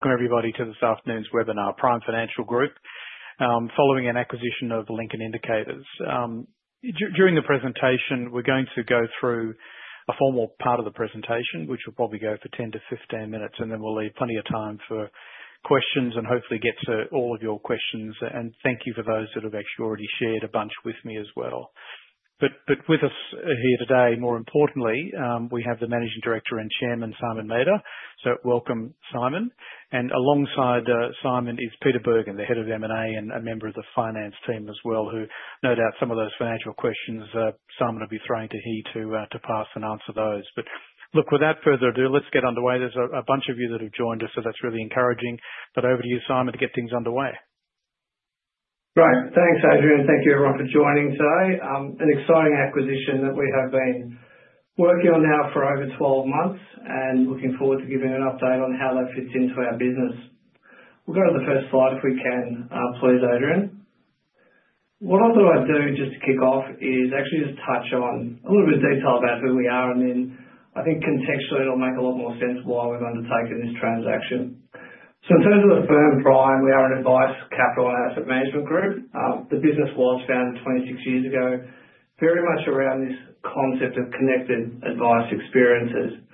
Hello everybody to this afternoon's webinar, Prime Financial Group, following an acquisition of Lincoln Indicators. During the presentation, we're going to go through a formal part of the presentation, which will probably go for 10 to 15 minutes, and then we'll leave plenty of time for questions and hopefully get to all of your questions. Thank you for those that have actually already shared a bunch with me as well. With us here today, more importantly, we have the Managing Director and Chairman, Simon Madder. Welcome, Simon. Alongside Simon is Peter Bergen, the Head of M&A and a member of the finance team as well, who no doubt some of those financial questions Simon will be throwing to he to pass and answer those. Without further ado, let's get underway. There's a bunch of you that have joined us, so that's really encouraging. Over to you, Simon, to get things underway. Right, thanks, Adrian. Thank you, everyone, for joining today. An exciting acquisition that we have been working on now for over 12 months and looking forward to giving an update on how that fits into our business. We'll go to the first slide if we can, please, Adrian. What I thought I'd do just to kick off is actually just touch on a little bit of detail about who we are, and then I think contextually it'll make a lot more sense why we've undertaken this transaction. In terms of the firm Prime, we are an advice, capital, and asset management group. The business was founded 26 years ago, very much around this concept of connected advice experiences.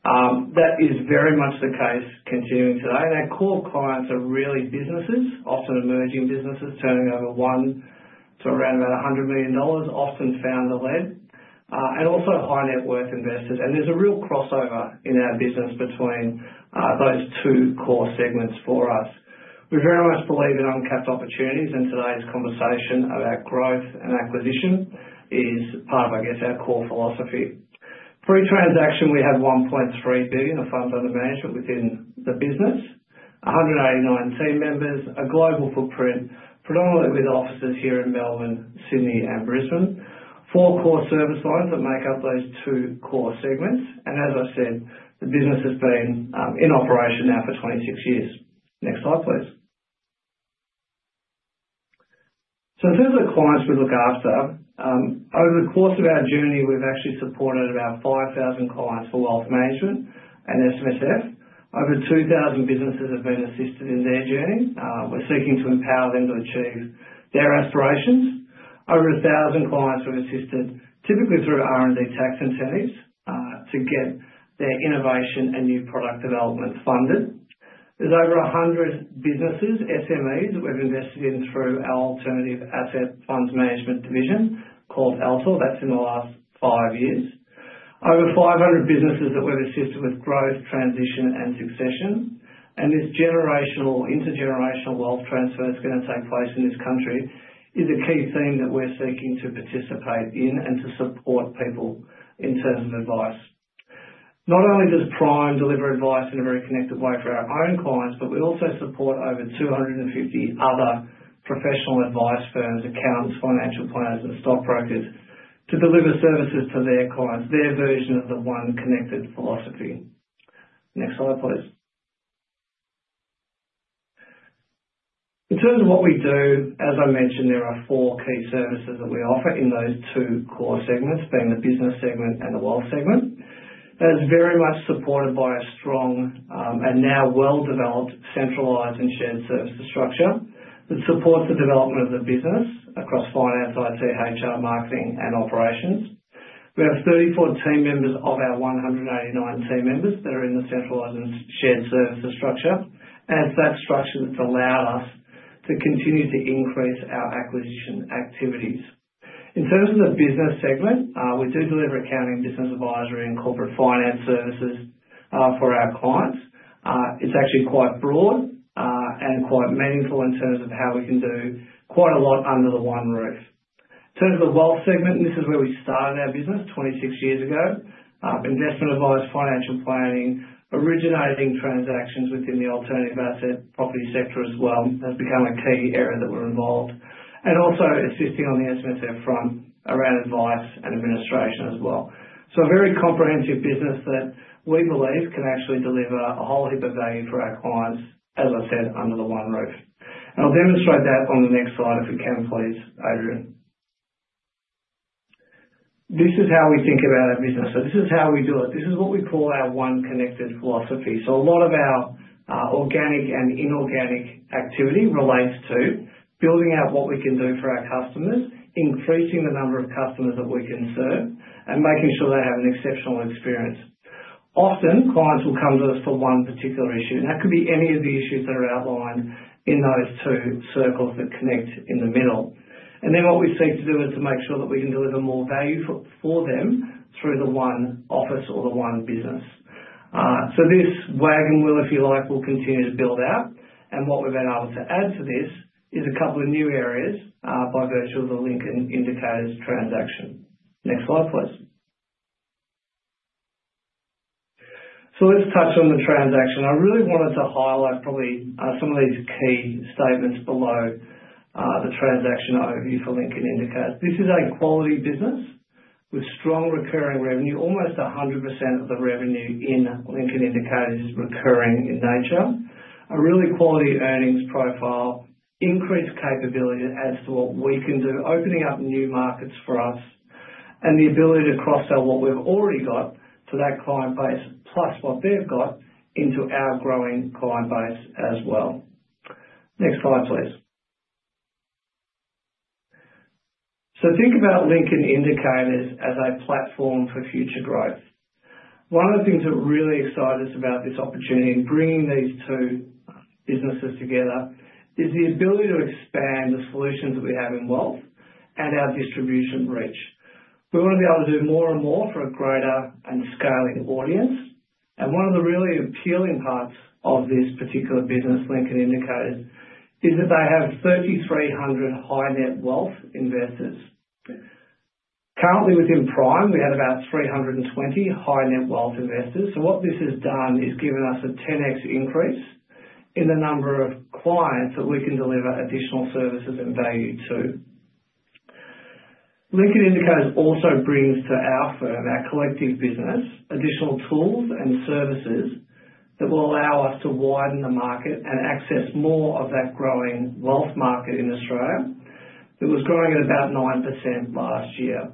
That is very much the case continuing today. Our core clients are really businesses, often emerging businesses turning over one to around about 100 million dollars, often founder-led, and also high-net-worth investors. There is a real crossover in our business between those two core segments for us. We very much believe in uncapped opportunities, and today's conversation about growth and acquisition is part of, I guess, our core philosophy. Pre-transaction, we have 1.3 billion of funds under management within the business, 189 team members, a global footprint, predominantly with offices here in Melbourne, Sydney, and Brisbane, four core service lines that make up those two core segments. As I said, the business has been in operation now for 26 years. Next slide, please. In terms of the clients we look after, over the course of our journey, we have actually supported about 5,000 clients for wealth management and SMSF. Over 2,000 businesses have been assisted in their journey. We're seeking to empower them to achieve their aspirations. Over 1,000 clients we've assisted, typically through R&D tax incentives, to get their innovation and new product development funded. There's over 100 businesses, SMEs, that we've invested in through our alternative asset funds management division called Altor. That's in the last five years. Over 500 businesses that we've assisted with growth, transition, and succession. This generational, intergenerational wealth transfer that's going to take place in this country is a key theme that we're seeking to participate in and to support people in terms of advice. Not only does Prime deliver advice in a very connected way for our own clients, but we also support over 250 other professional advice firms, accountants, financial planners, and stockbrokers to deliver services to their clients, their version of the one connected philosophy. Next slide, please. In terms of what we do, as I mentioned, there are four key services that we offer in those two core segments, being the business segment and the wealth segment. That is very much supported by a strong and now well-developed centralized and shared services structure that supports the development of the business across finance, IT, HR, marketing, and operations. We have 34 team members of our 189 team members that are in the centralized and shared services structure. It is that structure that has allowed us to continue to increase our acquisition activities. In terms of the business segment, we do deliver accounting, business advisory, and corporate finance services for our clients. It is actually quite broad and quite meaningful in terms of how we can do quite a lot under the one roof. In terms of the wealth segment, this is where we started our business 26 years ago. Investment advice, financial planning, originating transactions within the alternative asset property sector as well has become a key area that we're involved in. Also assisting on the SMSF front around advice and administration as well. A very comprehensive business that we believe can actually deliver a whole heap of value for our clients, as I said, under the one roof. I'll demonstrate that on the next slide if we can, please, Adrian. This is how we think about our business. This is how we do it. This is what we call our one connected philosophy. A lot of our organic and inorganic activity relates to building out what we can do for our customers, increasing the number of customers that we can serve, and making sure they have an exceptional experience. Often, clients will come to us for one particular issue. That could be any of the issues that are outlined in those two circles that connect in the middle. What we seek to do is to make sure that we can deliver more value for them through the one office or the one business. This wagon wheel, if you like, will continue to build out. What we have been able to add to this is a couple of new areas by virtue of the Lincoln Indicators transaction. Next slide, please. Let's touch on the transaction. I really wanted to highlight probably some of these key statements below the transaction overview for Lincoln Indicators. This is a quality business with strong recurring revenue. Almost 100% of the revenue in Lincoln Indicators is recurring in nature. A really quality earnings profile, increased capability as to what we can do, opening up new markets for us, and the ability to cross sell what we've already got to that client base, plus what they've got into our growing client base as well. Next slide, please. Think about Lincoln Indicators as a platform for future growth. One of the things that really excites us about this opportunity in bringing these two businesses together is the ability to expand the solutions that we have in wealth and our distribution reach. We want to be able to do more and more for a greater and scaling audience. One of the really appealing parts of this particular business, Lincoln Indicators, is that they have 3,300 high-net wealth investors. Currently, within Prime, we have about 320 high-net wealth investors. What this has done is given us a 10x increase in the number of clients that we can deliver additional services and value to. Lincoln Indicators also brings to our firm, our collective business, additional tools and services that will allow us to widen the market and access more of that growing wealth market in Australia that was growing at about 9% last year.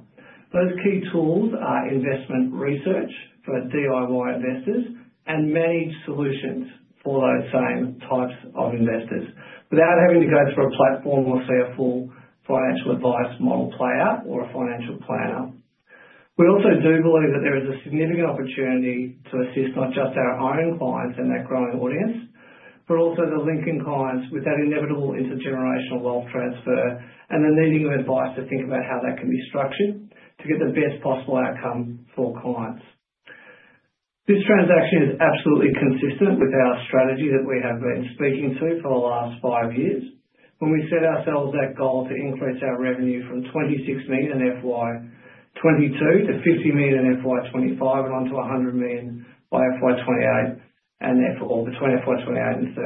Those key tools are investment research for DIY investors and managed solutions for those same types of investors without having to go through a platform or see a full financial advice model player or a financial planner. We also do believe that there is a significant opportunity to assist not just our own clients and their growing audience, but also the Lincoln clients with that inevitable intergenerational wealth transfer and the needing of advice to think about how that can be structured to get the best possible outcome for clients. This transaction is absolutely consistent with our strategy that we have been speaking to for the last five years. When we set ourselves that goal to increase our revenue from 26 million in FY 2022 to 50 million in FY 2025 and on to AUD 100 million by FY 2028 and FY 2028 and FY 2029 and FY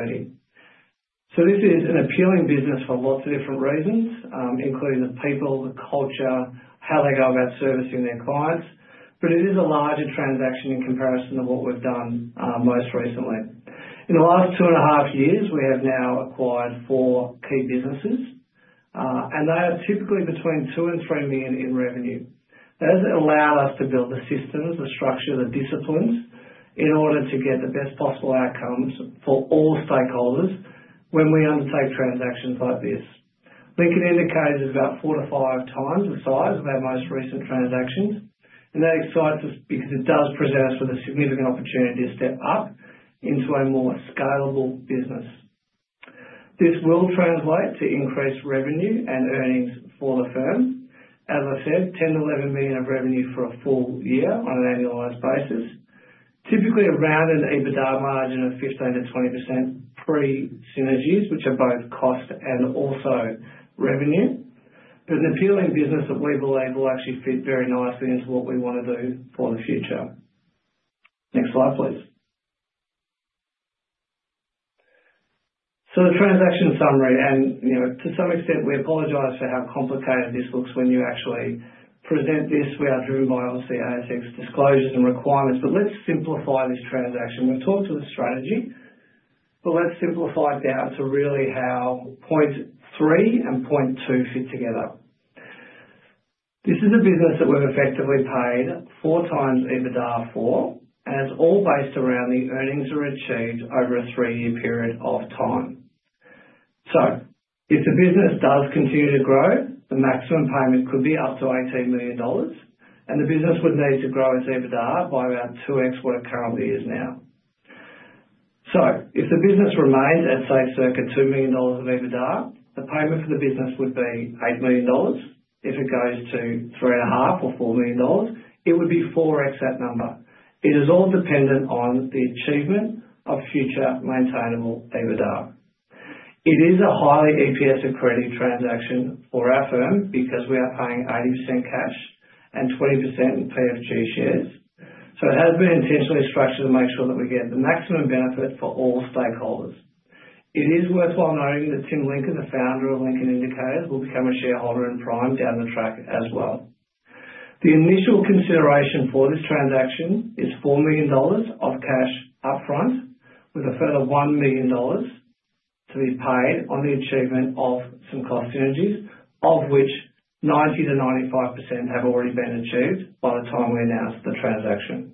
2030. This is an appealing business for lots of different reasons, including the people, the culture, how they go about servicing their clients. It is a larger transaction in comparison to what we've done most recently. In the last two and a half years, we have now acquired four key businesses, and they are typically between 2 million-3 million in revenue. That has allowed us to build the systems, the structure, the disciplines in order to get the best possible outcomes for all stakeholders when we undertake transactions like this. Lincoln Indicators is about four to five times the size of our most recent transactions. That excites us because it does present us with a significant opportunity to step up into a more scalable business. This will translate to increased revenue and earnings for the firm. As I said, 10 million-11 million of revenue for a full year on an annualized basis, typically around an EBITDA margin of 15%-20% pre-synergies, which are both cost and also revenue. But an appealing business that we believe will actually fit very nicely into what we want to do for the future. Next slide, please. The transaction summary. To some extent, we apologize for how complicated this looks when you actually present this. We are driven by obviously ASX disclosures and requirements. Let's simplify this transaction. We've talked to the strategy, but let's simplify it down to really how point three and point two fit together. This is a business that we've effectively paid four times EBITDA for, and it's all based around the earnings that were achieved over a three-year period of time. If the business does continue to grow, the maximum payment could be up to 18 million dollars, and the business would need to grow its EBITDA by about 2x what it currently is now. If the business remains at, say, circa 2 million dollars of EBITDA, the payment for the business would be 8 million dollars. If it goes to 3.5 million or 4 million dollars, it would be 4x that number. It is all dependent on the achievement of future maintainable EBITDA. It is a highly EPS-accretive transaction for our firm because we are paying 80% cash and 20% PFG shares. It has been intentionally structured to make sure that we get the maximum benefit for all stakeholders. It is worthwhile noting that Tim Lincoln, the founder of Lincoln Indicators, will become a shareholder in Prime down the track as well. The initial consideration for this transaction is 4 million dollars of cash upfront, with a further 1 million dollars to be paid on the achievement of some cost synergies, of which 90%-95% have already been achieved by the time we announce the transaction.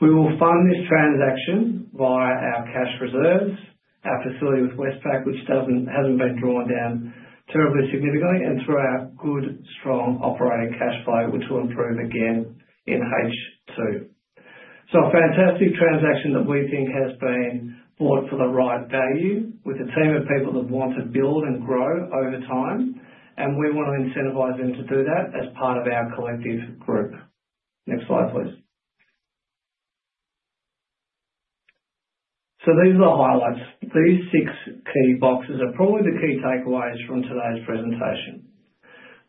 We will fund this transaction via our cash reserves, our facility with Westpac, which has not been drawn down terribly significantly, and through our good, strong operating cash flow, which will improve again in H2. A fantastic transaction that we think has been bought for the right value with a team of people that want to build and grow over time. We want to incentivize them to do that as part of our collective group. Next slide, please. These are the highlights. These six key boxes are probably the key takeaways from today's presentation.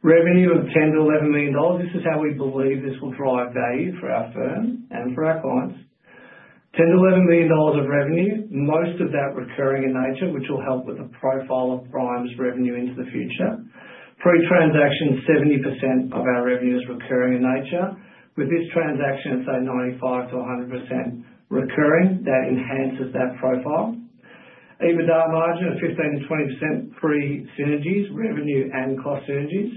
Revenue of 10 million-11 million dollars. This is how we believe this will drive value for our firm and for our clients. 10 million-11 million dollars of revenue, most of that recurring in nature, which will help with the profile of Prime's revenue into the future. Pre-transaction, 70% of our revenue is recurring in nature. With this transaction, say, 95%-100% recurring, that enhances that profile. EBITDA margin of 15%-20% pre-synergies, revenue and cost synergies,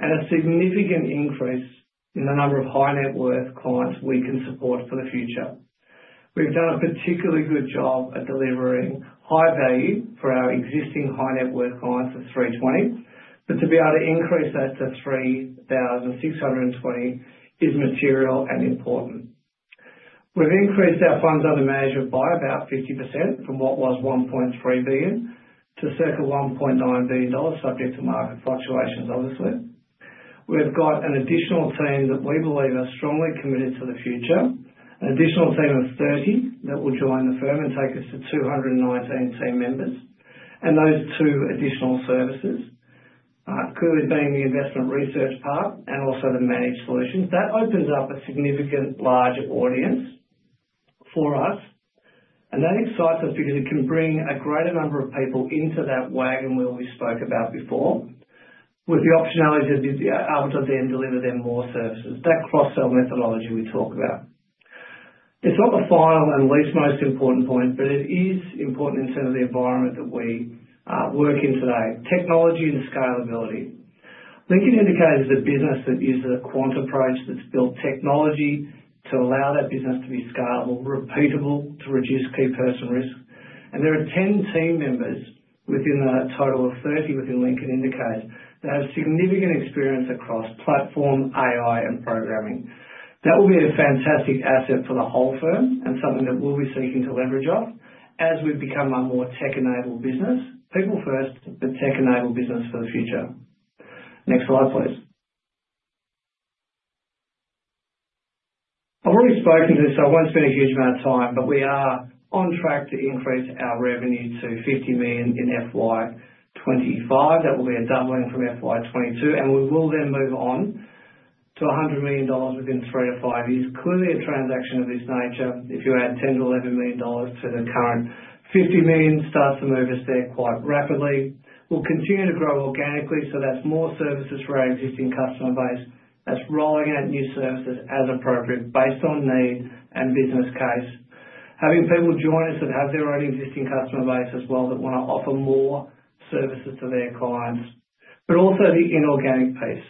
and a significant increase in the number of high-net-worth clients we can support for the future. We've done a particularly good job at delivering high value for our existing high-net-worth clients of 320, but to be able to increase that to 3,620 is material and important. We've increased our funds under management by about 50% from what was 1.3 billion to circa 1.9 billion dollars, subject to market fluctuations, obviously. We've got an additional team that we believe are strongly committed to the future, an additional team of 30 that will join the firm and take us to 219 team members. Those two additional services, clearly being the investment research part and also the managed solutions, open up a significantly larger audience for us. That excites us because it can bring a greater number of people into that wagon wheel we spoke about before, with the optionality to be able to then deliver them more services. That cross-sell methodology we talk about. It's not the final and least most important point, but it is important in terms of the environment that we work in today: technology and scalability. Lincoln Indicators is a business that uses a quant approach that's built technology to allow that business to be scalable, repeatable, to reduce key person risk. There are 10 team members within a total of 30 within Lincoln Indicators that have significant experience across platform, AI, and programming. That will be a fantastic asset for the whole firm and something that we'll be seeking to leverage off as we become a more tech-enabled business, people first, but tech-enabled business for the future. Next slide, please. I've already spoken to this. I won't spend a huge amount of time, but we are on track to increase our revenue to 50 million in FY 2025. That will be a doubling from FY 2022. We will then move on to 100 million dollars within three to five years. Clearly, a transaction of this nature, if you add 10 million-11 million dollars to the current 50 million, starts to move us there quite rapidly. We'll continue to grow organically. That's more services for our existing customer base. That's rolling out new services as appropriate based on need and business case, having people join us that have their own existing customer base as well that want to offer more services to their clients, but also the inorganic piece.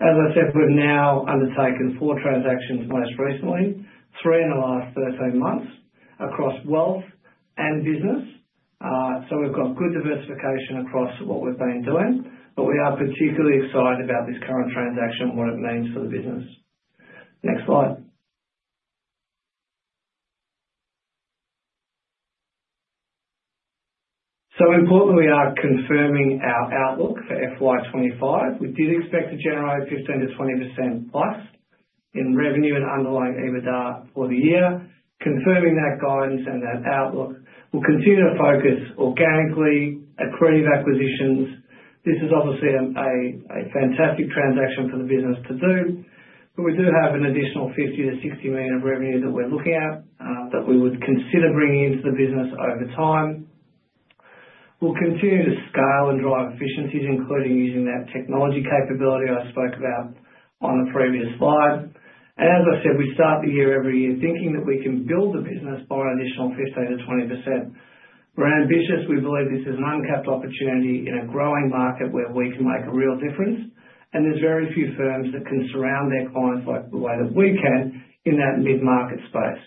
As I said, we've now undertaken four transactions, most recently three in the last 13 months across wealth and business. We have good diversification across what we've been doing, but we are particularly excited about this current transaction and what it means for the business. Next slide. Importantly, we are confirming our outlook for FY 2025. We did expect to generate 15% to 20%+ in revenue and underlying EBITDA for the year. Confirming that guidance and that outlook. We'll continue to focus organically, accredited acquisitions. This is obviously a fantastic transaction for the business to do, but we do have an additional 50 million-60 million of revenue that we're looking at that we would consider bringing into the business over time. We'll continue to scale and drive efficiencies, including using that technology capability I spoke about on the previous slide. As I said, we start the year every year thinking that we can build the business by an additional 15%-20%. We're ambitious. We believe this is an uncapped opportunity in a growing market where we can make a real difference. There are very few firms that can surround their clients like the way that we can in that mid-market space.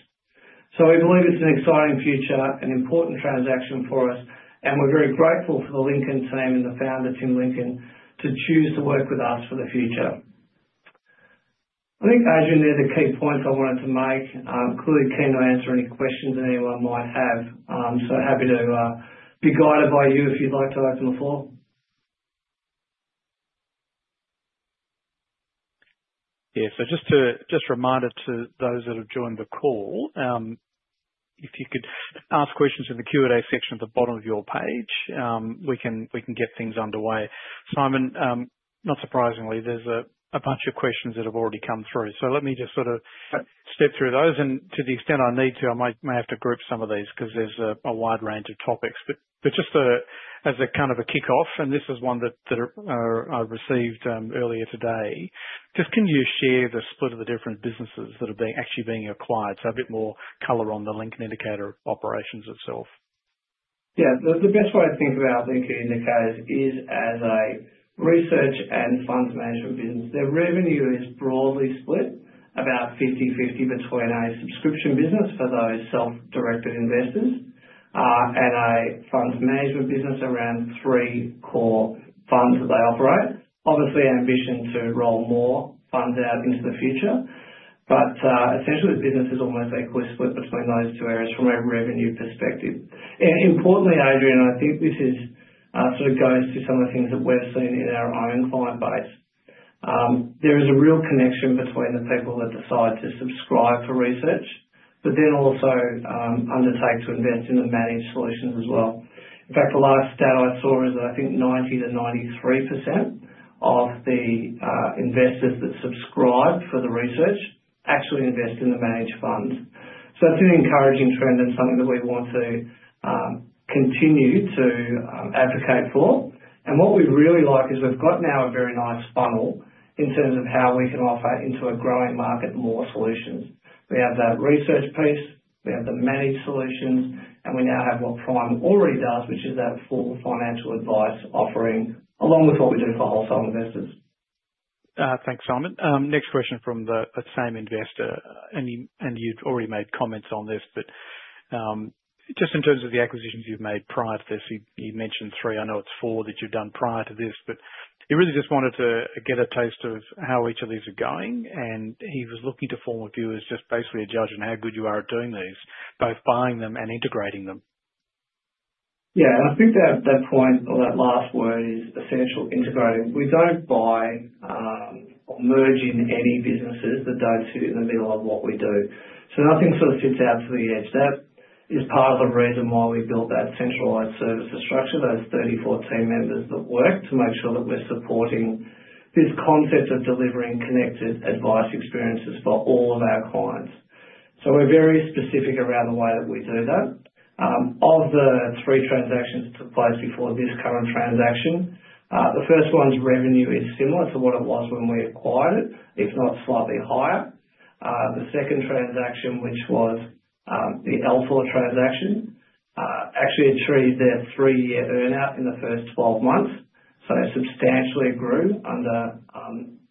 We believe it's an exciting future, an important transaction for us, and we're very grateful for the Lincoln team and the founder, Tim Lincoln, to choose to work with us for the future. I think, as you know, the key points I wanted to make, clearly keen to answer any questions that anyone might have. Happy to be guided by you if you'd like to open the floor. Yeah. Just a reminder to those that have joined the call, if you could ask questions in the Q&A section at the bottom of your page, we can get things underway. Simon, not surprisingly, there's a bunch of questions that have already come through. Let me just sort of step through those. To the extent I need to, I may have to group some of these because there's a wide range of topics. Just as a kind of a kickoff, and this is one that I received earlier today, can you share the split of the different businesses that are actually being acquired? A bit more color on the Lincoln Indicators operations itself. Yeah. The best way to think about Lincoln Indicators is as a research and funds management business. Their revenue is broadly split, about 50/50 between a subscription business for those self-directed investors and a funds management business around three core funds that they operate. Obviously, ambition to roll more funds out into the future. Essentially, the business is almost equally split between those two areas from a revenue perspective. Importantly, Adrian, I think this sort of goes to some of the things that we've seen in our own client base. There is a real connection between the people that decide to subscribe for research, but then also undertake to invest in the managed solutions as well. In fact, the last data I saw is that I think 90%-93% of the investors that subscribe for the research actually invest in the managed funds. That is an encouraging trend and something that we want to continue to advocate for. What we really like is we've got now a very nice funnel in terms of how we can offer into a growing market more solutions. We have that research piece. We have the managed solutions. We now have what Prime already does, which is that full financial advice offering along with what we do for wholesale investors. Thanks, Simon. Next question from the same investor. You have already made comments on this, but just in terms of the acquisitions you have made prior to this, you mentioned three. I know it is four that you have done prior to this, but he really just wanted to get a taste of how each of these are going. He was looking to form a view as just basically a judge on how good you are at doing these, both buying them and integrating them. Yeah. I think that point, or that last word, is essential: integrating. We do not buy or merge in any businesses that do not sit in the middle of what we do. Nothing sort of sits out to the edge. That is part of the reason why we built that centralized services structure, those 30 members-40 members that work to make sure that we're supporting this concept of delivering connected advice experiences for all of our clients. We are very specific around the way that we do that. Of the three transactions that took place before this current transaction, the first one's revenue is similar to what it was when we acquired it, if not slightly higher. The second transaction, which was the Altor transaction, actually achieved their three-year earnout in the first 12 months. It substantially grew under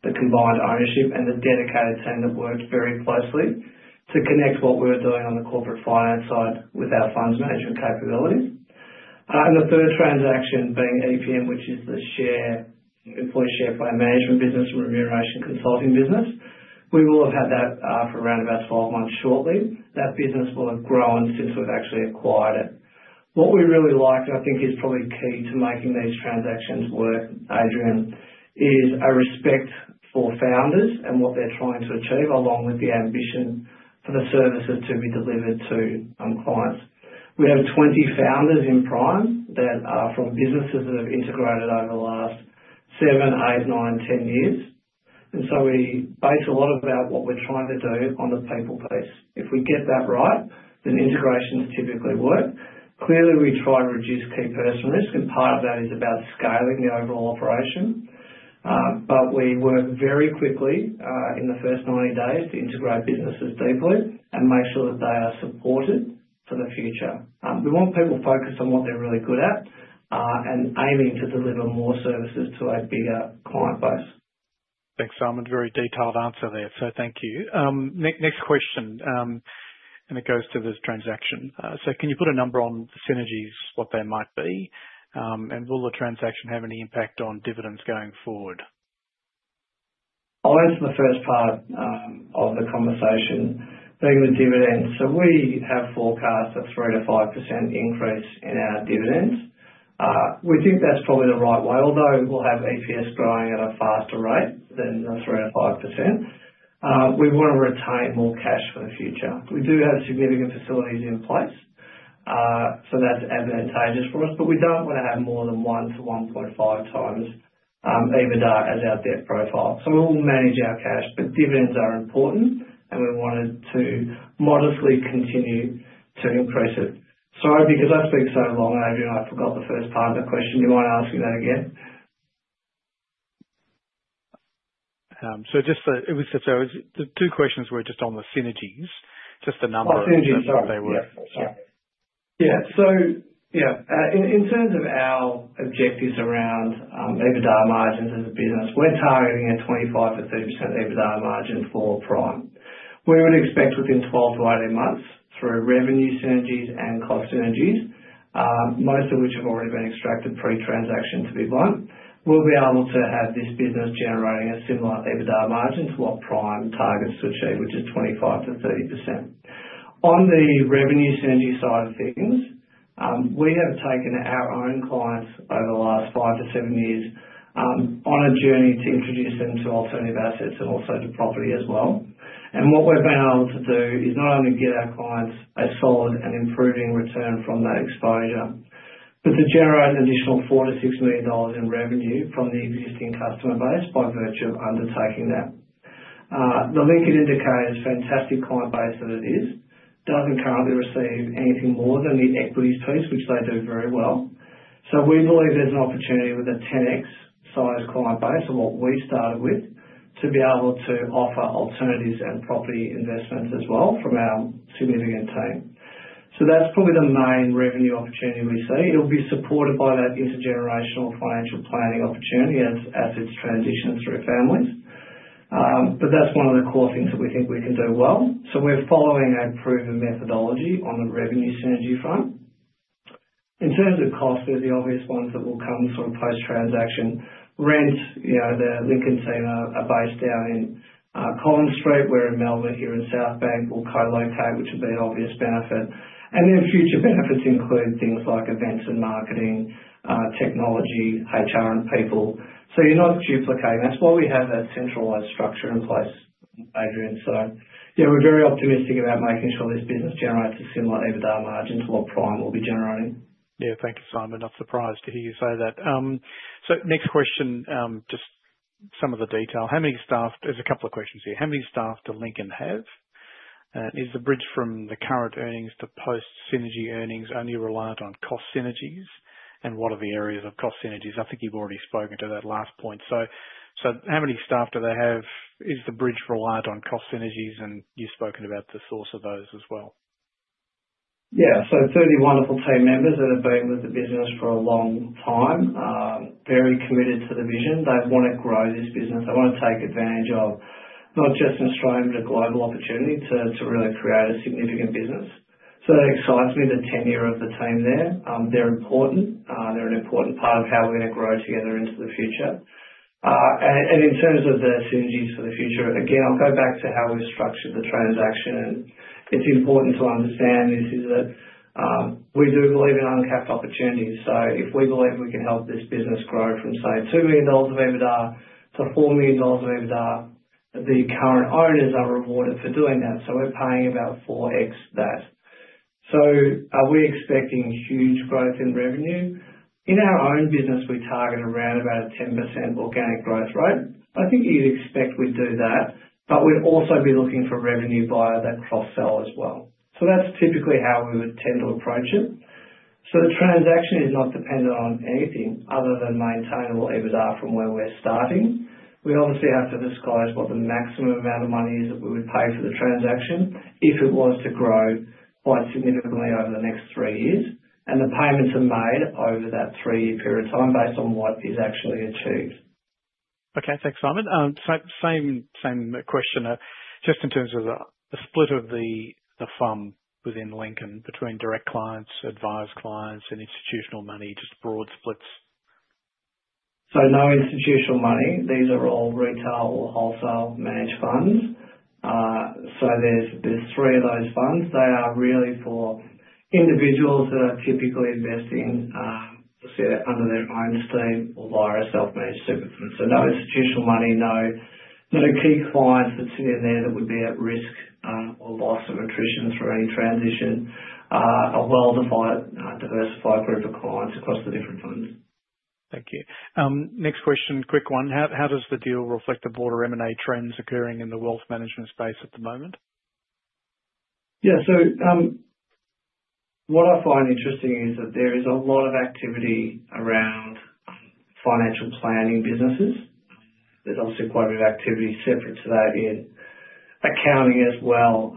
the combined ownership and the dedicated team that worked very closely to connect what we were doing on the corporate finance side with our funds management capabilities. The third transaction being EPM, which is the employee share plan management business and remuneration consulting business. We will have had that for around about 12 months shortly. That business will have grown since we've actually acquired it. What we really liked, and I think is probably key to making these transactions work, Adrian, is a respect for founders and what they're trying to achieve, along with the ambition for the services to be delivered to clients. We have 20 founders in Prime that are from businesses that have integrated over the last 7, 8, 9, 10 years. And so we base a lot of our what we're trying to do on the people piece. If we get that right, then integrations typically work. Clearly, we try to reduce key person risk, and part of that is about scaling the overall operation. We work very quickly in the first 90 days to integrate businesses deeply and make sure that they are supported for the future. We want people focused on what they're really good at and aiming to deliver more services to a bigger client base. Thanks, Simon. Very detailed answer there. Thank you. Next question, and it goes to this transaction. Can you put a number on the synergies, what they might be, and will the transaction have any impact on dividends going forward? I'll answer the first part of the conversation. Looking at dividends, we have forecast a 3%-5% increase in our dividends. We think that's probably the right way, although we'll have EPS growing at a faster rate than the 3%-5%. We want to retain more cash for the future. We do have significant facilities in place, which is advantageous for us. We do not want to have more than 1x-1.5x EBITDA as our debt profile. We will manage our cash, but dividends are important, and we wanted to modestly continue to increase it. Sorry, because I speak so long, Adrian, I forgot the first part of the question. Do you mind asking that again? It was just so the two questions were just on the synergies, just the number of. Oh, synergies, sorry. Yeah. Sorry. Yeah. In terms of our objectives around EBITDA margins as a business, we're targeting a 25%-30% EBITDA margin for Prime. We would expect within 12 months-18 months through revenue synergies and cost synergies, most of which have already been extracted pre-transaction to be built, we'll be able to have this business generating a similar EBITDA margin to what Prime targets to achieve, which is 25%-30%. On the revenue synergy side of things, we have taken our own clients over the last five to seven years on a journey to introduce them to alternative assets and also to property as well. What we have been able to do is not only get our clients a solid and improving return from that exposure, but to generate an additional 4 million-6 million dollars in revenue from the existing customer base by virtue of undertaking that. The Lincoln Indicators is a fantastic client base that it is. It does not currently receive anything more than the equities piece, which they do very well. We believe there is an opportunity with a 10x sized client base of what we started with to be able to offer alternatives and property investments as well from our significant team. That is probably the main revenue opportunity we see. It'll be supported by that intergenerational financial planning opportunity as assets transition through families. That is one of the core things that we think we can do well. We are following a proven methodology on the revenue synergy front. In terms of cost, there are the obvious ones that will come sort of post-transaction. Rent, the Lincoln team, are based down in Collins Street. We are in Melbourne here in South Bank. We will co-locate, which will be an obvious benefit. Future benefits include things like events and marketing, technology, HR, and people. You are not duplicating. That is why we have that centralized structure in place, Adrian. We are very optimistic about making sure this business generates a similar EBITDA margin to what Prime will be generating. Thank you, Simon. Not surprised to hear you say that. Next question, just some of the detail. How many staff, there's a couple of questions here. How many staff does Lincoln have? Is the bridge from the current earnings to post-synergy earnings only reliant on cost synergies? What are the areas of cost synergies? I think you've already spoken to that last point. How many staff do they have? Is the bridge reliant on cost synergies? You've spoken about the source of those as well. Yeah. 30 wonderful team members that have been with the business for a long time, very committed to the vision. They want to grow this business. They want to take advantage of not just an Australian but a global opportunity to really create a significant business. That excites me, the tenure of the team there. They're important. They're an important part of how we're going to grow together into the future. In terms of the synergies for the future, again, I'll go back to how we've structured the transaction. It's important to understand this is that we do believe in uncapped opportunities. If we believe we can help this business grow from, say, 2 million dollars of EBITDA to 4 million dollars of EBITDA, the current owners are rewarded for doing that. We're paying about 4x that. Are we expecting huge growth in revenue? In our own business, we target around a 10% organic growth rate. I think you'd expect we'd do that, but we'd also be looking for revenue via that cross-sell as well. That's typically how we would tend to approach it. The transaction is not dependent on anything other than maintainable EBITDA from where we're starting. We obviously have to disclose what the maximum amount of money is that we would pay for the transaction if it was to grow quite significantly over the next three years. The payments are made over that three-year period of time based on what is actually achieved. Okay. Thanks, Simon. Same question, just in terms of the split of the fund within Lincoln between direct clients, advised clients, and institutional money, just broad splits. No institutional money. These are all retail or wholesale managed funds. There are three of those funds. They are really for individuals that are typically investing, let's say, under their own esteem or via self-managed super funds. No institutional money, no key clients that sit in there that would be at risk or loss of attrition through any transition, a well-defined, diversified group of clients across the different funds. Thank you. Next question, quick one. How does the deal reflect the broader M&A trends occurring in the wealth management space at the moment? Yeah. What I find interesting is that there is a lot of activity around financial planning businesses. There's obviously quite a bit of activity separate to that in accounting as well.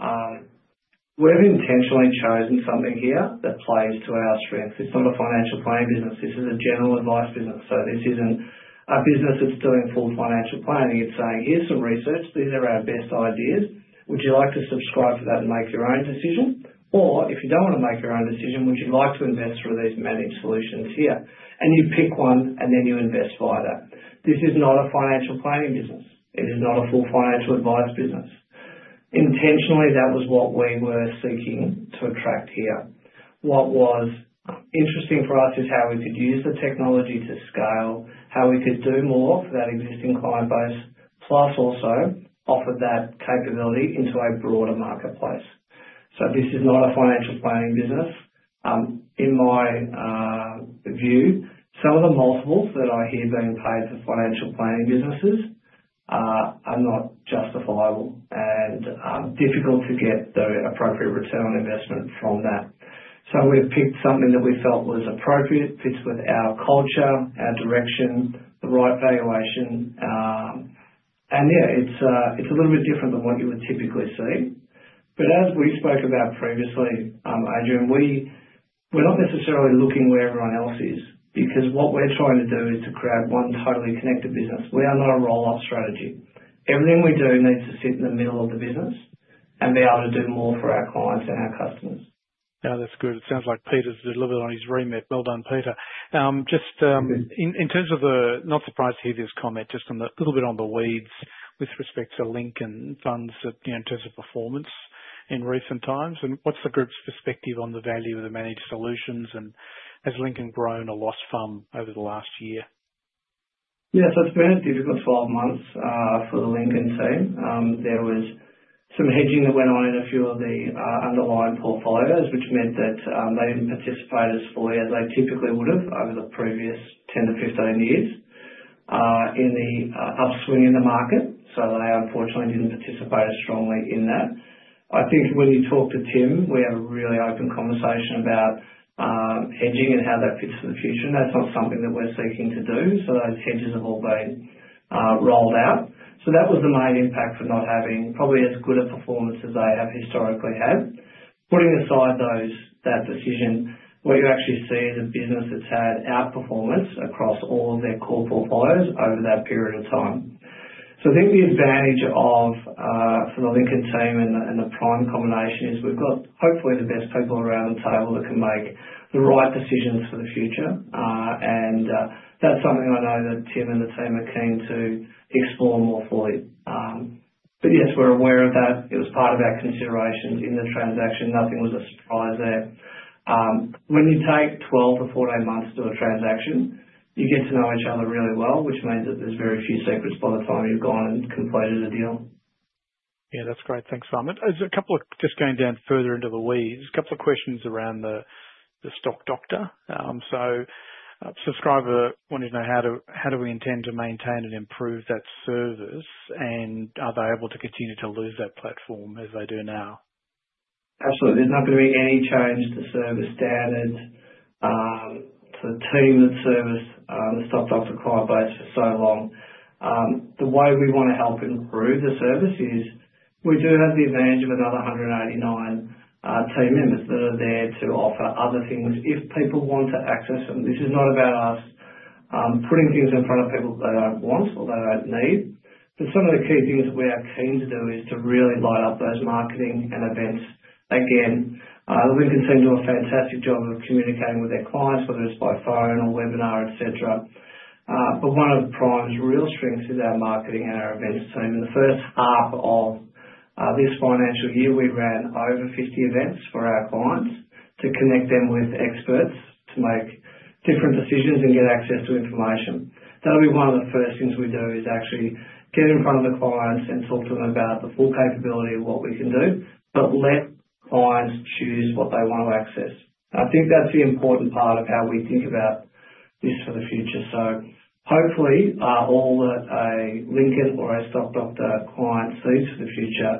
We've intentionally chosen something here that plays to our strengths. It's not a financial planning business. This is a general advice business. This isn't a business that's doing full financial planning. It's saying, "Here's some research. These are our best ideas. Would you like to subscribe to that and make your own decision? Or if you don't want to make your own decision, would you like to invest through these managed solutions here?" You pick one, and then you invest via that. This is not a financial planning business. It is not a full financial advice business. Intentionally, that was what we were seeking to attract here. What was interesting for us is how we could use the technology to scale, how we could do more for that existing client base, plus also offer that capability into a broader marketplace. This is not a financial planning business. In my view, some of the multiples that I hear being paid for financial planning businesses are not justifiable and difficult to get the appropriate return on investment from that. We have picked something that we felt was appropriate, fits with our culture, our direction, the right valuation. Yeah, it is a little bit different than what you would typically see. As we spoke about previously, Adrian, we are not necessarily looking where everyone else is because what we are trying to do is to create one totally connected business. We are not a roll-up strategy. Everything we do needs to sit in the middle of the business and be able to do more for our clients and our customers. No, that's good. It sounds like Peter's delivered on his remit. Well done, Peter. Just in terms of the not surprised to hear this comment, just a little bit on the weeds with respect to Lincoln funds in terms of performance in recent times. What's the group's perspective on the value of the managed solutions? Has Lincoln grown or lost fund over the last year? Yeah. It's been a difficult 12 months for the Lincoln team. There was some hedging that went on in a few of the underlying portfolios, which meant that they didn't participate as fully as they typically would have over the previous 10 years-15 years in the upswing in the market. They, unfortunately, did not participate as strongly in that. I think when you talk to Tim, we have a really open conversation about hedging and how that fits for the future. That is not something that we are seeking to do. Those hedges have all been rolled out. That was the main impact for not having probably as good a performance as they have historically had. Putting aside that decision, what you actually see is a business that has had outperformance across all of their core portfolios over that period of time. I think the advantage for the Lincoln team and the Prime combination is we have hopefully the best people around the table that can make the right decisions for the future. That is something I know that Tim and the team are keen to explore more fully. Yes, we are aware of that. It was part of our considerations in the transaction. Nothing was a surprise there. When you take 12 months-14 months to do a transaction, you get to know each other really well, which means that there's very few secrets by the time you've gone and completed a deal. Yeah. That's great. Thanks, Simon. Just going down further into the weeds, a couple of questions around the Stock Doctor. So subscriber wanted to know how do we intend to maintain and improve that service, and are they able to continue to use that platform as they do now? Absolutely. There's not going to be any change to service standards. The team that serviced the Stock Doctor client base for so long, the way we want to help improve the service is we do have the advantage of another 189 team members that are there to offer other things if people want to access them. This is not about us putting things in front of people that they do not want or they do not need. Some of the key things that we are keen to do is to really light up those marketing and events. Again, the Lincoln team do a fantastic job of communicating with their clients, whether it is by phone or webinar, etc. One of Prime's real strengths is our marketing and our events team. In the first half of this financial year, we ran over 50 events for our clients to connect them with experts to make different decisions and get access to information. That'll be one of the first things we do is actually get in front of the clients and talk to them about the full capability of what we can do, but let clients choose what they want to access. I think that's the important part of how we think about this for the future. Hopefully, all that a Lincoln or a Stock Doctor client sees for the future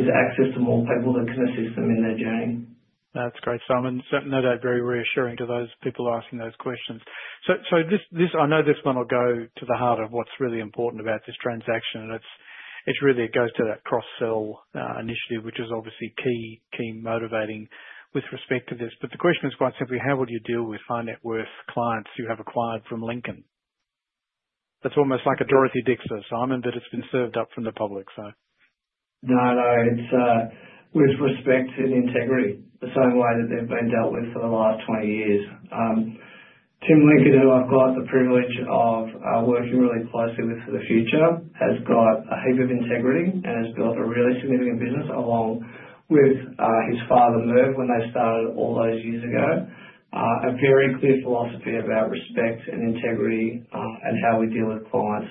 is access to more people that can assist them in their journey. That's great, Simon. Certainly, that's very reassuring to those people asking those questions. I know this one will go to the heart of what's really important about this transaction. It really goes to that cross-sell initiative, which is obviously key motivating with respect to this. The question is quite simply, how would you deal with high net worth clients you have acquired from Lincoln? That's almost like a Dorothy Dixer, Simon, but it's been served up from the public, so. No, no. It's with respect and integrity, the same way that they've been dealt with for the last 20 years. Tim Lincoln, who I've got the privilege of working really closely with for the future, has got a heap of integrity and has built a really significant business along with his father, Merv, when they started all those years ago. A very clear philosophy about respect and integrity and how we deal with clients.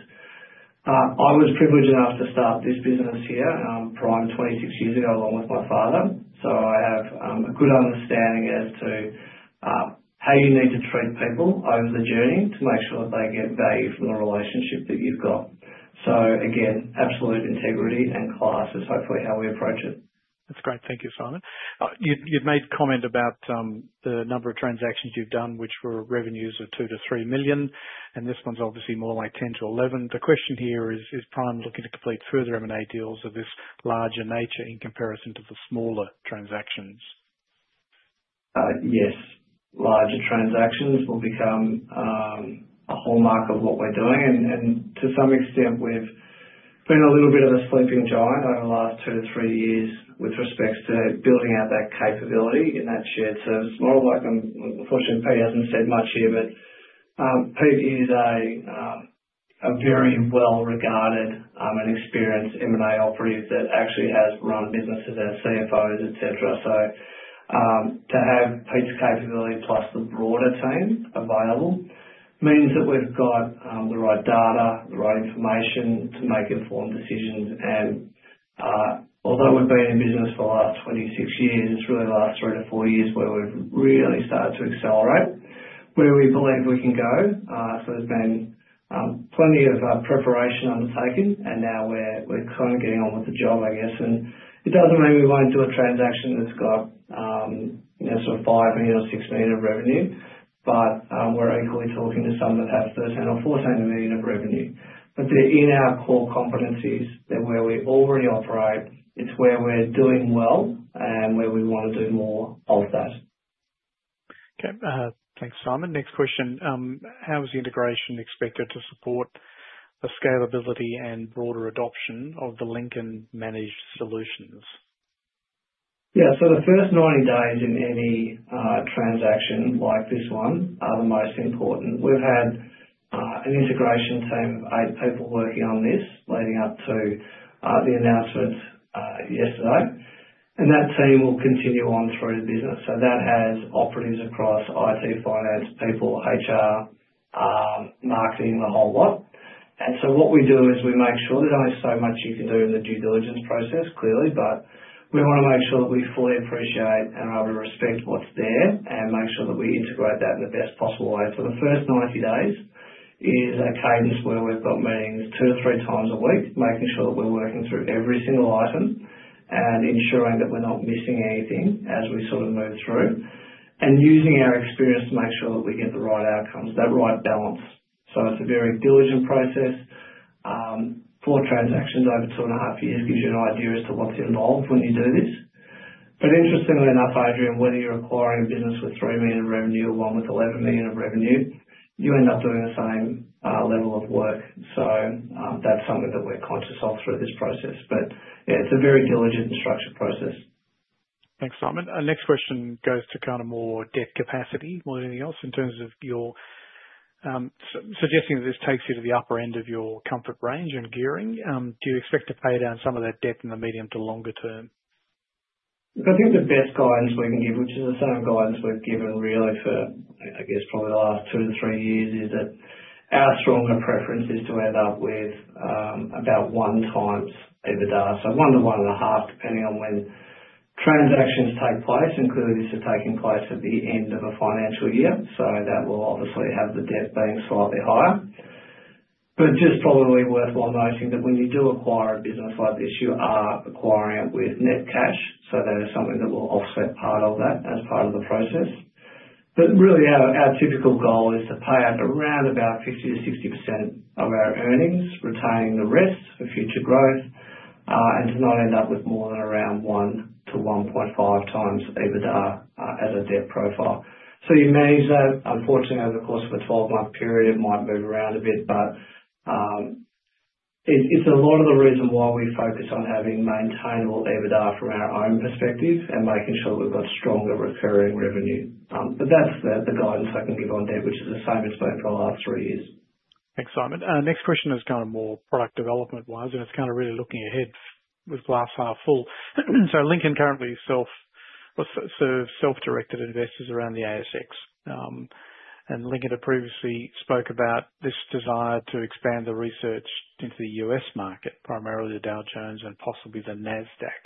I was privileged enough to start this business here, Prime, 26 years ago, along with my father. I have a good understanding as to how you need to treat people over the journey to make sure that they get value from the relationship that you've got. Again, absolute integrity and class is hopefully how we approach it. That's great. Thank you, Simon. You'd made a comment about the number of transactions you've done, which were revenues of 2 million- 3 million. And this one's obviously more like 10 million-11 million. The question here is, is Prime looking to complete further M&A deals of this larger nature in comparison to the smaller transactions? Yes. Larger transactions will become a hallmark of what we're doing. To some extent, we've been a little bit of a sleeping giant over the last two to three years with respect to building out that capability in that shared service. More like, unfortunately, Pete hasn't said much here, but Pete is a very well-regarded and experienced M&A operator that actually has run businesses as CFOs, etc. To have Pete's capability plus the broader team available means that we've got the right data, the right information to make informed decisions. Although we've been in business for the last 26 years, it's really the last three to four years where we've really started to accelerate where we believe we can go. There's been plenty of preparation undertaken. Now we're kind of getting on with the job, I guess. It doesn't mean we won't do a transaction that's got sort of 5 million or 6 million of revenue, but we're equally talking to some that have 13 million or 14 million of revenue. They're in our core competencies. They're where we already operate. It's where we're doing well and where we want to do more of that. Okay. Thanks, Simon. Next question. How is the integration expected to support the scalability and broader adoption of the Lincoln managed solutions? Yeah. The first 90 days in any transaction like this one are the most important. We've had an integration team of eight people working on this leading up to the announcement yesterday. That team will continue on through the business. That has operatives across IT, finance, people, HR, marketing, the whole lot. What we do is we make sure there's only so much you can do in the due diligence process, clearly. We want to make sure that we fully appreciate and are able to respect what's there and make sure that we integrate that in the best possible way. The first 90 days is a cadence where we've got meetings two to three times a week, making sure that we're working through every single item and ensuring that we're not missing anything as we sort of move through and using our experience to make sure that we get the right outcomes, that right balance. It is a very diligent process. Four transactions over two and a half years gives you an idea as to what is involved when you do this. Interestingly enough, Adrian, whether you are acquiring a business with 3 million of revenue or one with 11 million of revenue, you end up doing the same level of work. That is something that we are conscious of through this process. It is a very diligent and structured process. Thanks, Simon. Next question goes to more debt capacity. More than anything else in terms of your suggesting that this takes you to the upper end of your comfort range and gearing. Do you expect to pay down some of that debt in the medium to longer term? I think the best guidance we can give, which is the same guidance we've given really for, I guess, probably the last two to three years, is that our stronger preference is to end up with about one times EBITDA. 1x-1.5x, depending on when transactions take place, and clearly this is taking place at the end of a financial year. That will obviously have the debt being slightly higher. It is probably worthwhile noting that when you do acquire a business like this, you are acquiring it with net cash. That is something that will offset part of that as part of the process. Really, our typical goal is to pay out around about 50%-60% of our earnings, retaining the rest for future growth, and to not end up with more than around 1x-1.5x EBITDA as a debt profile. You manage that. Unfortunately, over the course of a 12-month period, it might move around a bit. It is a lot of the reason why we focus on having maintainable EBITDA from our own perspective and making sure that we have stronger recurring revenue. That is the guidance I can give on debt, which is the same as spoken for the last three years. Thanks, Simon. Next question is kind of more product development-wise. It is kind of really looking ahead with glass half full. Lincoln currently serves self-directed investors around the ASX. Lincoln had previously spoke about this desire to expand the research into the U.S. market, primarily the Dow Jones and possibly the NASDAQ.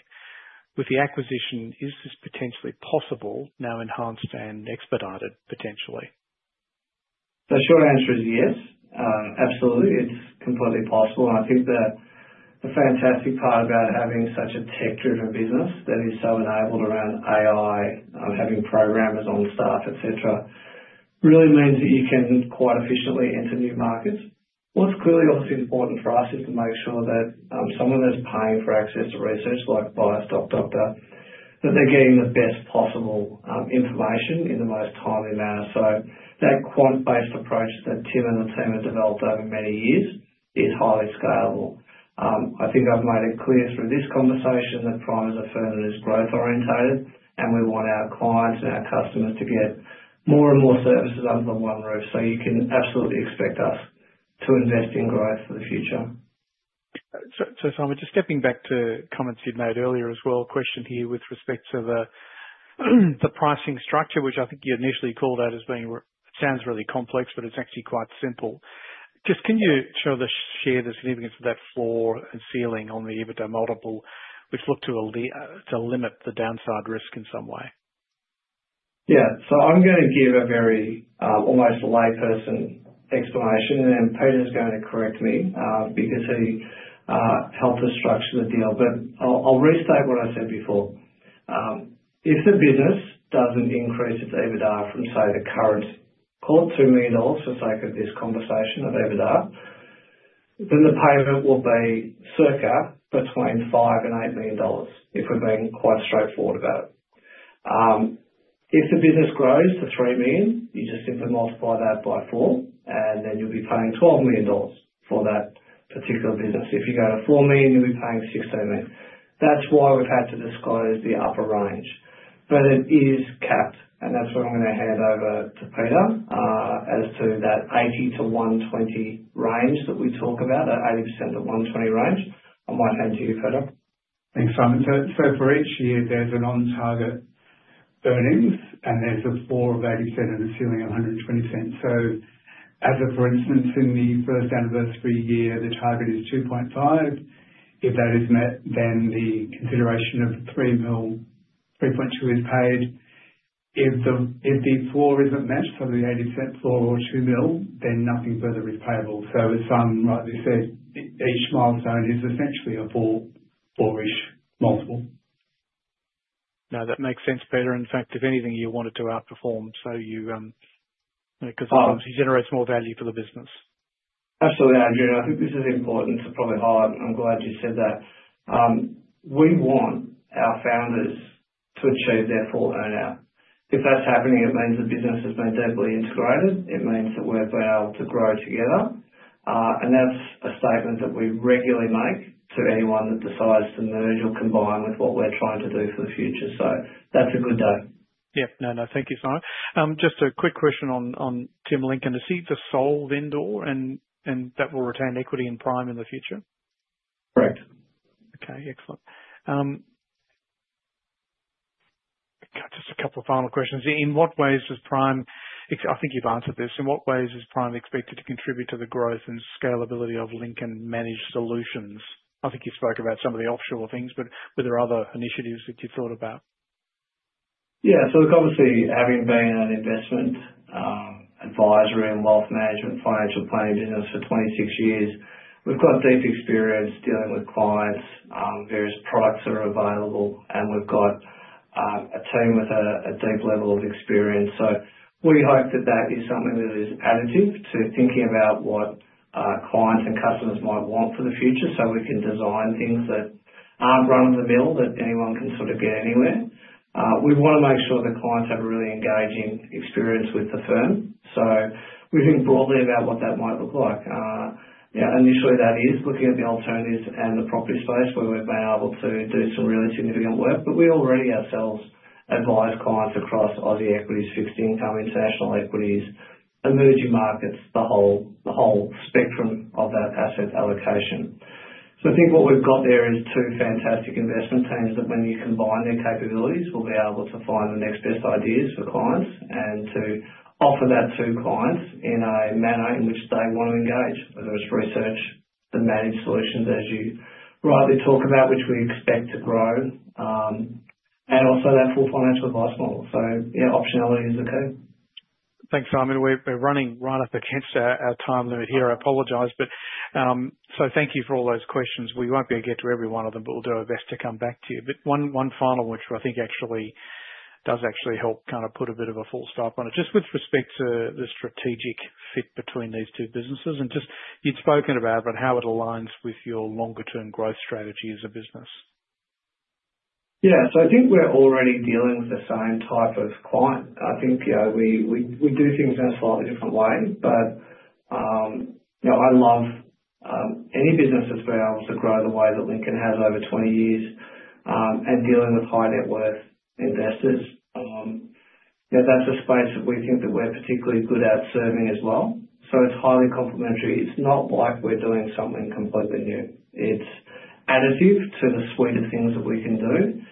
With the acquisition, is this potentially possible now enhanced and expedited potentially? The short answer is yes. Absolutely. It's completely possible. I think the fantastic part about having such a tech-driven business that is so enabled around AI, having programmers on staff, etc., really means that you can quite efficiently enter new markets. What's clearly obviously important for us is to make sure that someone that's paying for access to research like by Stock Doctor, that they're getting the best possible information in the most timely manner. That quant-based approach that Tim and the team have developed over many years is highly scalable. I think I've made it clear through this conversation that Prime is a firm that is growth-orientated, and we want our clients and our customers to get more and more services under the one roof. You can absolutely expect us to invest in growth for the future. Simon, just stepping back to comments you'd made earlier as well, a question here with respect to the pricing structure, which I think you initially called out as being sounds really complex, but it's actually quite simple. Can you share the significance of that floor and ceiling on the EBITDA model, which look to limit the downside risk in some way? Yeah. I'm going to give a very almost layperson explanation, and then Peter's going to correct me because he helped us structure the deal. I'll restate what I said before. If the business doesn't increase its EBITDA from, say, the current quarter to 2 million dollars for the sake of this conversation of EBITDA, then the payment will be circa between 5 million and 8 million dollars if we're being quite straightforward about it. If the business grows to 3 million, you just simply multiply that by 4, and then you'll be paying 12 million dollars for that particular business. If you go to 4 million, you'll be paying 16 million. That's why we've had to disclose the upper range. It is capped. That's what I'm going to hand over to Peter as to that 80%-120% range that we talk about, that 80%-120% range. I might hand to you, Peter. Thanks, Simon. For each year, there's an on-target earnings, and there's a floor of 80% and a ceiling of 120%. As a for instance, in the first anniversary year, the target is 2.5 million. If that is met, then the consideration of 3.2 million is paid. If the floor is not met, so the 80% floor or 2 million, then nothing further is payable. As Simon rightly said, each milestone is essentially a 4-ish multiple. No, that makes sense, Peter. In fact, if anything, you want it to outperform because it generates more value for the business. Absolutely, Adrian. I think this is important to probably highlight. I am glad you said that. We want our founders to achieve their full earnout. If that is happening, it means the business has been deeply integrated. It means that we have been able to grow together. That is a statement that we regularly make to anyone that decides to merge or combine with what we are trying to do for the future. That's a good day. Yep. No, no. Thank you, Simon. Just a quick question on Tim Lincoln. Is he the sole vendor, and that will retain equity in Prime in the future? Correct. Okay. Excellent. Just a couple of final questions. In what ways does Prime—I think you've answered this. In what ways is Prime expected to contribute to the growth and scalability of Lincoln managed solutions? I think you spoke about some of the offshore things, but were there other initiatives that you thought about? Yeah. Look, obviously, having been an investment advisor in wealth management, financial planning business for 26 years, we've got deep experience dealing with clients, various products that are available, and we've got a team with a deep level of experience. We hope that that is something that is additive to thinking about what clients and customers might want for the future so we can design things that are not run-of-the-mill that anyone can sort of get anywhere. We want to make sure that clients have a really engaging experience with the firm. We have been broadly about what that might look like. Yeah. Initially, that is looking at the alternatives and the property space where we have been able to do some really significant work. We already ourselves advise clients across Aussie equities, fixed income, international equities, emerging markets, the whole spectrum of that asset allocation. I think what we've got there is two fantastic investment teams that when you combine their capabilities, we'll be able to find the next best ideas for clients and to offer that to clients in a manner in which they want to engage, whether it's research, the managed solutions as you rightly talk about, which we expect to grow, and also that full financial advice model. Yeah, optionality is the key. Thanks, Simon. We're running right up against our time limit here. I apologize. Thank you for all those questions. We won't be able to get to every one of them, but we'll do our best to come back to you. One final one which I think actually does actually help kind of put a bit of a full stop on it, just with respect to the strategic fit between these two businesses. You'd spoken about how it aligns with your longer-term growth strategy as a business. Yeah. I think we're already dealing with the same type of client. I think we do things in a slightly different way. I love any business that's been able to grow the way that Lincoln has over 20 years and dealing with high net worth investors. That's a space that we think that we're particularly good at serving as well. It's highly complementary. It's not like we're doing something completely new. It's additive to the suite of things that we can do.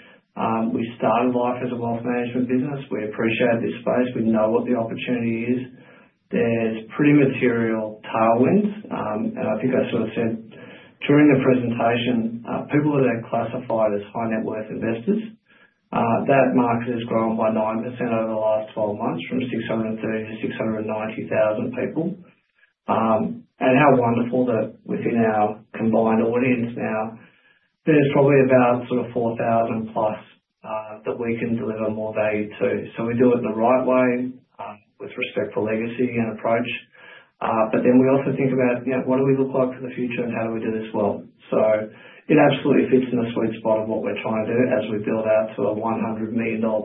We started life as a wealth management business. We appreciate this space. We know what the opportunity is. There's pretty material tailwinds. I think I sort of said during the presentation, people that are classified as high net worth investors, that market has grown by 9% over the last 12 months from 630,000 people to 690,000 people. How wonderful that within our combined audience now, there's probably about 4,000+ that we can deliver more value to. We do it the right way with respect for legacy and approach. We also think about, yeah, what do we look like for the future and how do we do this well? It absolutely fits in the sweet spot of what we're trying to do as we build out to a 100 million dollar+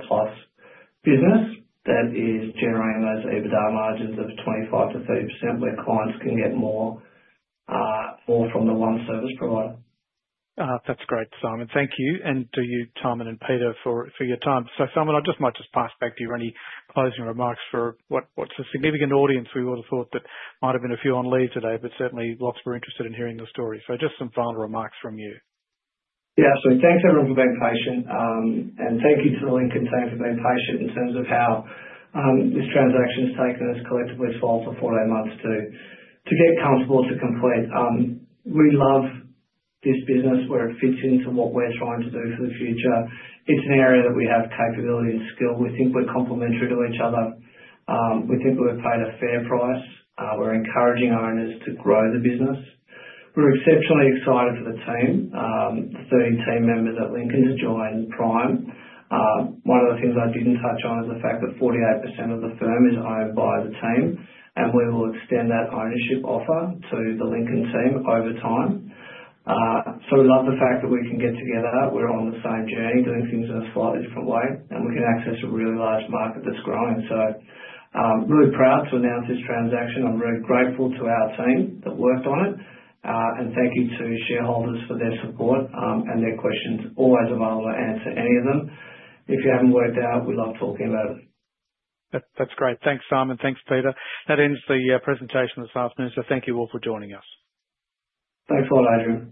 business that is generating those EBITDA margins of 25%-30% where clients can get more from the one service provider. That's great, Simon. Thank you. To you, Simon and Peter, for your time. Simon, I just might pass back to you any closing remarks for what is a significant audience. We would have thought that might have been a few on leave today, but certainly lots were interested in hearing the story. Just some final remarks from you. Yeah. Thanks everyone for being patient. Thank you to the Lincoln team for being patient in terms of how this transaction has taken us collectively four to eight months to get comfortable to complete. We love this business where it fits into what we're trying to do for the future. It's an area that we have capability and skill. We think we're complementary to each other. We think we've paid a fair price. We're encouraging owners to grow the business. We're exceptionally excited for the team, the 30 team members that Lincoln has joined Prime. One of the things I didn't touch on is the fact that 48% of the firm is owned by the team, and we will extend that ownership offer to the Lincoln team over time. We love the fact that we can get together. We're on the same journey doing things in a slightly different way, and we can access a really large market that's growing. Really proud to announce this transaction. I'm really grateful to our team that worked on it. Thank you to shareholders for their support and their questions. Always available to answer any of them. If you haven't worked out, we love talking about it. That's great. Thanks, Simon. Thanks, Peter. That ends the presentation this afternoon. Thank you all for joining us. Thanks a lot, Adrian.